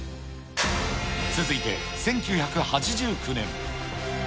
続いて１９８９年。